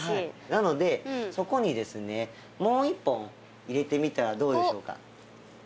なのでそこにですねもう一本入れてみてはどうでしょうか。